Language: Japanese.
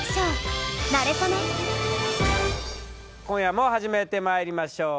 今夜も始めてまいりましょう。